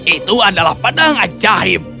itu adalah padang ajaib